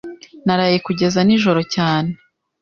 Naraye kugeza nijoro cyane.